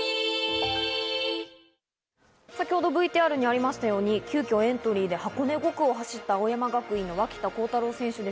先ほどＶＴＲにありましたように急きょエントリーで箱根５区を走った青山学院・脇田幸太朗選手です。